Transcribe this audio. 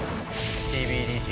ＣＢＤＣ